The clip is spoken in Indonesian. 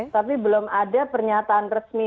tapi belum ada pernyataan resmi